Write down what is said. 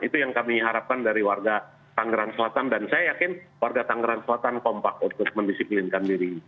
itu yang kami harapkan dari warga tangerang selatan dan saya yakin warga tangerang selatan kompak untuk mendisiplinkan diri